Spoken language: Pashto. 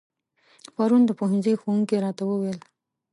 پرون د پوهنځي ښوونکي راته و ويل